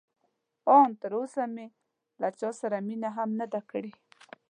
ان تراوسه مې له چا سره مینه هم نه ده کړې.